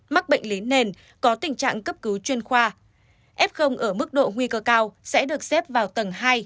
mắc bệnh lý nền có tình trạng cấp cứu chuyên khoa f ở mức độ nguy cơ cao sẽ được xếp vào tầng hai